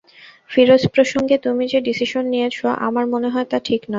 ফিরোজ প্রসঙ্গে তুমি যে ডিসিসন নিয়েছ, আমার মনে হয় তা ঠিক নয়।